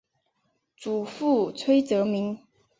祖父崔则明。